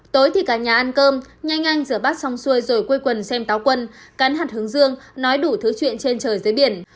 tối thì cả nhà ăn cơm nhanh anh rửa bát xong xuôi rồi quây quần xem táo quân cắn hạt hướng dương nói đủ thứ chuyện trên trời dưới biển